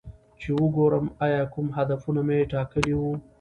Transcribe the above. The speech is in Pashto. چې وګورم ایا کوم هدفونه مې ټاکلي وو